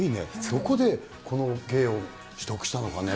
どこでこの芸を取得したのかね。